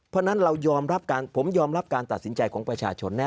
เพราะฉะนั้นเรายอมรับกันผมยอมรับการตัดสินใจของประชาชนแน่